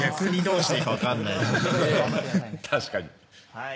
はい。